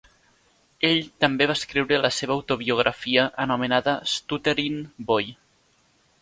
Ell també va escriure la seva autobiografia anomenada "Stutterin' Boy".